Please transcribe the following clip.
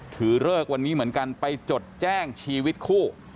ถือเลิกวันนี้เหมือนกันไปจดแจ้งชีวิตคู่